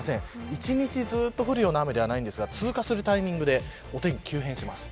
１日ずっと降るような雨ではないんですが通過するタイミングでお天気、急変します。